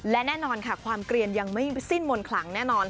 และแน่นอนค่ะความเกลียนยังไม่สิ้นมนต์ขลังแน่นอน